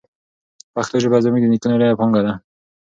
پښتو ژبه زموږ د نیکونو لویه پانګه ده.